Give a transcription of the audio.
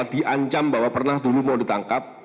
diancam bahwa pernah dulu mau ditangkap